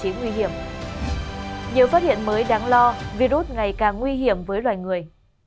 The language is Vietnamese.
nhiều phát hiện mới đáng lo virus ngày càng nguy hiểm với loài người